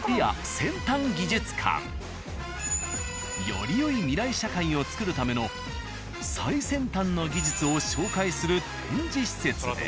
よりよい未来社会をつくるための最先端の技術を紹介する展示施設で。